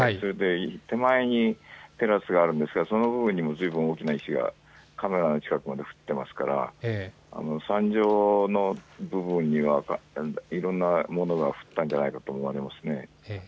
手前にテラスがあるんですがその上にもずいぶん大きな石が降っていますから、山上の部分にはいろんなものが降ったんじゃないかなと思われます。